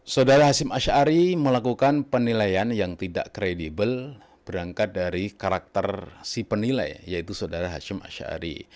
saudara hashim asyari melakukan penilaian yang tidak kredibel berangkat dari karakter si penilai yaitu saudara hashim asyari